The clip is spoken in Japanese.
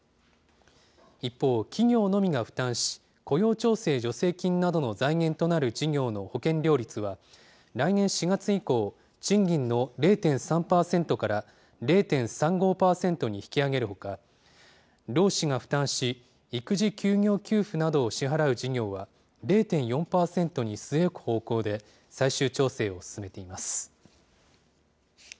一方、企業のみが負担し、雇用調整助成金などの財源となる事業の保険料率は、来年４月以降、賃金の０．３％から０．３５％に引き上げるほか、労使が負担し、育児休業給付などを支払う事業は、０．４％に据え置く方向で、最終調整を進めています。